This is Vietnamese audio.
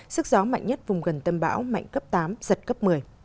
sức gió mạnh nhất vùng gần tâm bão mạnh cấp tám giật cấp một mươi